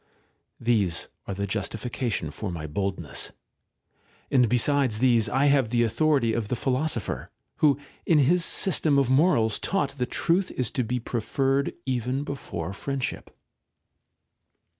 These are the justification for my boldness. And besides these I have the authority of the Philosopher, who in his system of morals taught that truth is to be preferred even before friendship.